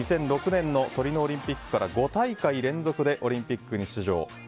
２００６年のトリノオリンピックから５大会連続でオリンピックに出場。